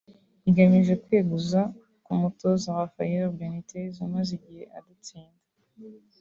igamije kweguza ku umutoza Rafael Benitez umaze igihe adatsinda